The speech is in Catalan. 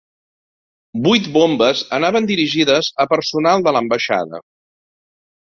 Vuit bombes anaven dirigides a personal de l'ambaixada.